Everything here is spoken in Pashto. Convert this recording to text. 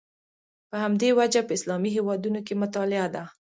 په همدې وجه په اسلامي هېوادونو کې مطالعه ده.